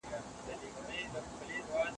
څنګه کولای سو له تېرو رواني ټپونو څخه روغ سو؟